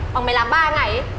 bảo mày làm ba ngày á